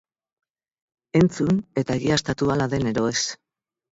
Entzun eta egiaztatu hala den edo ez!